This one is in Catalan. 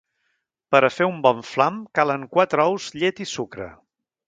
Per a fer un bon flam, calen quatre ous, llet i sucre.